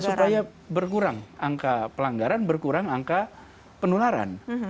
supaya berkurang angka pelanggaran berkurang angka penularan